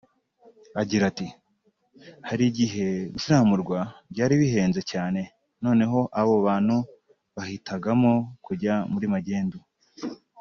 Agira ati “…hari igihe gusiramurwa byari bihenze cyane noneho abo bantu bahitagamo kujya muri magendu